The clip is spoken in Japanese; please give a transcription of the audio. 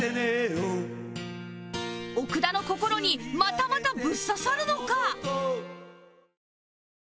奥田の心にまたまたブッ刺さるのか？